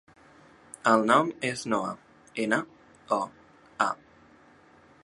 El nom és Noa: ena, o, a.